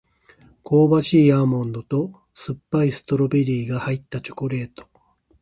香ばしいアーモンドと甘酸っぱいストロベリーが入ったチョコレート